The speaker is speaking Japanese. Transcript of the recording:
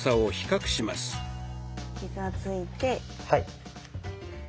はい。